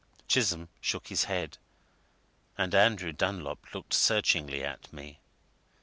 Chisholm shook his head, and Andrew Dunlop looked searchingly at me.